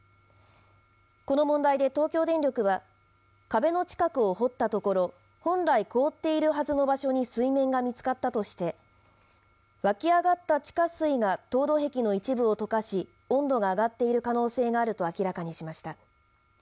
この問題で東京電力は壁の近くを掘ったところ本来凍っているはずの場所に水面が見つかったとして湧き上がった地下水が凍土壁の一部を溶かし温度が上がっている可能性があると明らかにしました。